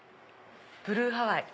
ブルーハワイ。